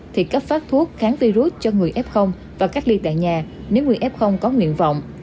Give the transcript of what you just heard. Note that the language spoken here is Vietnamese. thì cấp phát thuốc kháng virus cho người f và cách ly tại nhà nếu người f có nguyện vọng